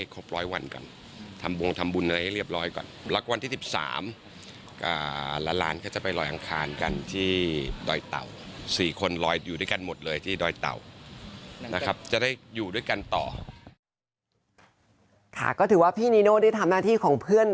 ก็ถือว่าพี่นีโน่ได้ทำหน้าที่ของเพื่อน